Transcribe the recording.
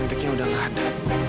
cantiknya udah lah ada